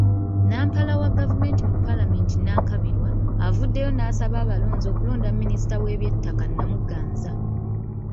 Nampala wa gavumenti mu palamenti Nankabirwa, avuddeyo n'asaba abalonzi okulonda Minisita w’eby'ettaka Namuganza.